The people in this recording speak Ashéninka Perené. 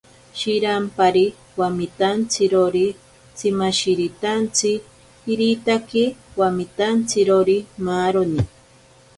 Shirampari wamitantsirori tsimashiritantsi, iritaki wamitantsirori maaroni.